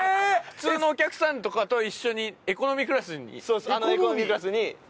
普通のお客さんとかと一緒にエコノミークラスに？